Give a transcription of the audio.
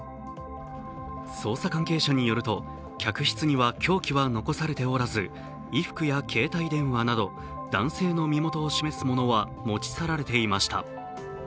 捜査関係者によると客室には凶器は残されておらず衣服や携帯電話など男性の身元を示すものは持ち去られていました。